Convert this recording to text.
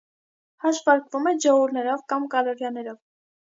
Հաշվարկվում է ջոուլներով կամ կալորիաներով։